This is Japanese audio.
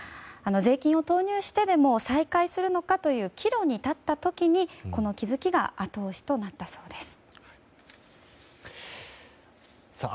税金を投入してでも再開するのかという岐路に立った時に、この気づきが後押しとなったそうです。